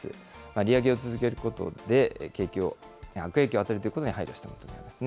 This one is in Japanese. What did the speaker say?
利上げを続けることで景気を、悪影響を与えるってことに配慮したものですね。